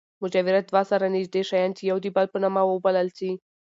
مجاورت دوه سره نژدې شیان، چي يو د بل په نامه وبلل سي.